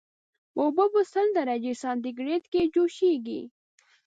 اوبه په سل درجه سانتي ګریډ کې جوشیږي